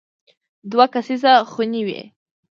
دوه کسیزه خونې وې.